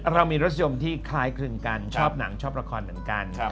เรามีรัฐโชคอยกรรมที่คล้ายครึ่งกันชอบหนังชอบละครแบบนั้น